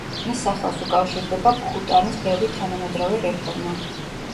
მის სახელს უკავშირდება ბჰუტანის ბევრი თანამედროვე რეფორმა.